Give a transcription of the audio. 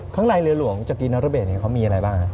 ข้างในเรือหลวงจักรีนรเบศเขามีอะไรบ้าง